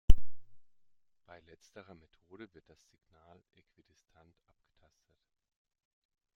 Bei letzterer Methode wird das Signal äquidistant abgetastet.